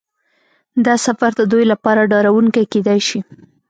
دا سفر د دوی لپاره ډارونکی کیدای شي